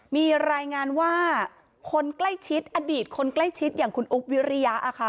มีรายงานว่าคนใกล้ชิดอดีตคนใกล้ชิดอย่างคุณอุ๊บวิริยะค่ะ